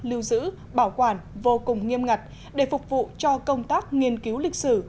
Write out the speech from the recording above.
lưu giữ bảo quản vô cùng nghiêm ngặt để phục vụ cho công tác nghiên cứu lịch sử